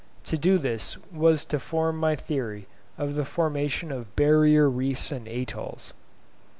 To do this was to form my theory of the formation of barrier reefs and atolls.